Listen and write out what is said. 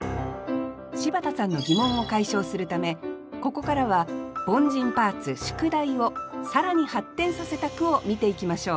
柴田さんの疑問を解消するためここからは凡人パーツ「宿題」をさらに発展させた句を見ていきましょう